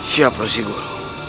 siap rasul guru